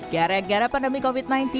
gara gara pandemi covid sembilan belas